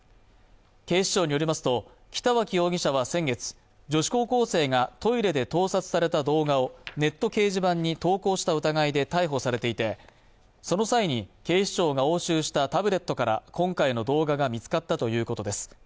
警視庁によりますと北脇容疑者は先月女子高校生がトイレで盗撮された動画をネット掲示板に投稿した疑いで逮捕されていてその際に警視庁が押収したタブレットから今回の動画が見つかったということです